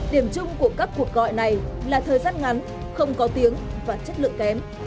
điểm chung của các cuộc gọi này là thời gian ngắn không có tiếng và chất lượng kém